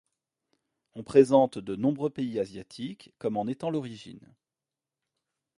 On présente de nombreux pays asiatiques comme en étant l’origine.